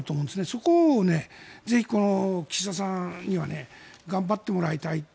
そこをぜひ、岸田さんには頑張ってもらいたい。